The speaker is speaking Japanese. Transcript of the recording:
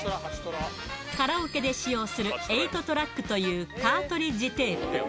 カラオケで使用する８トラックというカートリッジテープ。